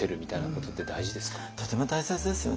とても大切ですよね。